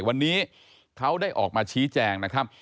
วันนี้เขาได้ออกมาชี้แจงนะครับ